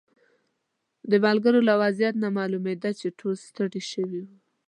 د ملګرو له وضعیت نه معلومېده چې ټول ستړي شوي وو.